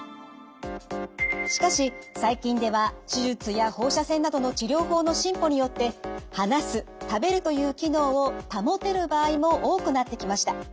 しかし最近では手術や放射線などの治療法の進歩によって話す食べるという機能を保てる場合も多くなってきました。